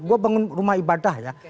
gue bangun rumah ibadah ya